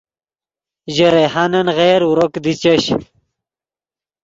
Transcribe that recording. ژے ریحانن غیر اورو کیدی چش